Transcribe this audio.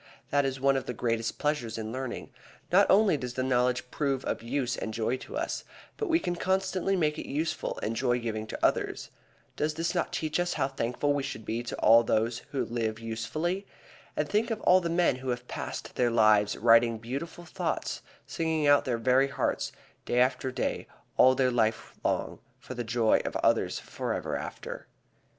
That is one of the greatest pleasures in learning. Not only does the knowledge prove of use and joy to us, but we can constantly make it useful and joy giving to others. Does this not teach us how thankful we should be to all those who live usefully? And think of all the men who have passed their lives writing beautiful thoughts, singing out of their very hearts, day after day, all their life long, for the joy of others forever after.